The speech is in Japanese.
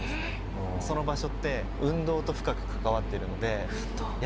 その場所って運動と深く関わっているので。